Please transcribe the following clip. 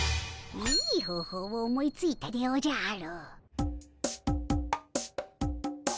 いい方法を思いついたでおじゃる！